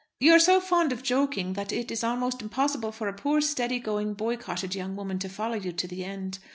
You are so fond of joking that it is almost impossible for a poor steady going, boycotted young woman to follow you to the end.